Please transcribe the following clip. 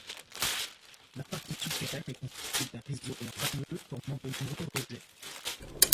La partie souterraine est constituée d'un rhizome rameux formant de nombreux rejets.